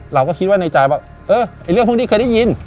เราก็คิดว่าในใจว่าเออไอ้เรื่องพวกนี้เคยได้ยิน